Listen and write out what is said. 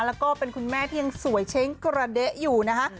แล้วก็เป็นคุณแม่ที่ยังสวยเช้งกระเด๊ะอยู่นะคะ